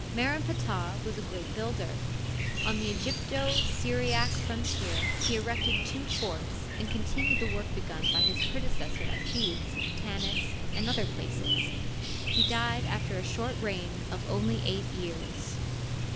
Mer en Ptah was a great builder. On the Egypto Syriac frontier he erected two forts and continued the work be gun by his predecessors at Thebes, Tanis, and other places. He died after a short reign of only eight years.